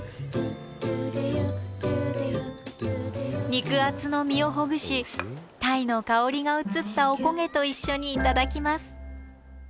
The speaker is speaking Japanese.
肉厚の身をほぐし鯛の香りが移ったお焦げと一緒に頂きます。